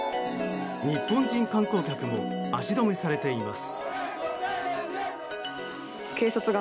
日本人観光客も足止めされています。